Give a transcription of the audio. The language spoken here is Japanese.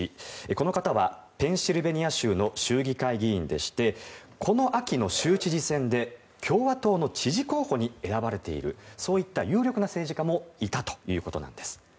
この方は、ペンシルベニア州の州議会議員でしてこの秋の州知事選で共和党の知事候補に選ばれている、有力な政治家もいたということなんです。